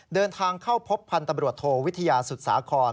เดินทางเข้าพบพันธุ์ตำรวจโทวิทยาสุดสาคร